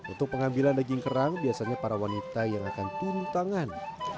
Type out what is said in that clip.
untuk pengambilan daging kerang biasanya para wanita yang akan tuntangan